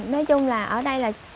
nói chung là ở đây là